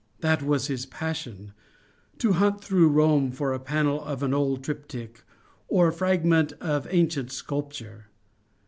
That was his passion: to hunt through Rome for a panel of an old triptych or a fragment of ancient sculpture.